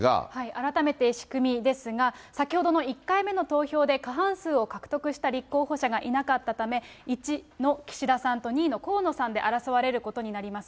改めて仕組みですが、先ほどの１回目の投票で、過半数を獲得した立候補者がなかったため、１位の岸田さんと２位の河野さんで争われることになります。